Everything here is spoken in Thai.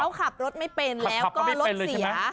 เขาขับรถไม่เป็นแล้วก็รถเสีย